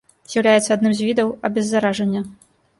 З'яўляецца адным з відаў абеззаражання.